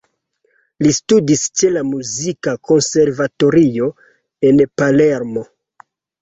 Li studis ĉe la muzika konservatorio en Palermo.